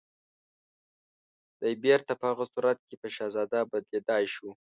دی بيرته په هغه صورت کې په شهزاده بدليدای شو